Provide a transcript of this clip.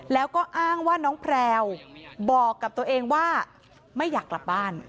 แล้วก็อ้างว่าน้องแพลวบอกกับตัวเองว่าไม่อยากกลับบ้าน